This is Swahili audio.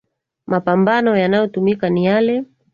Mapambo yanayotumika ni yale.